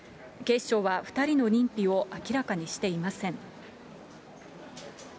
警視庁は、２人の認否を明らかにしていません。